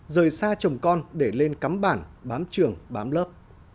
rời xa chồng con để lên cắm bản bám trường bám lớp